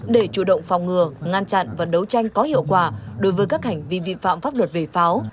để chủ động phòng ngừa ngăn chặn và đấu tranh có hiệu quả đối với các hành vi vi phạm pháp luật về pháo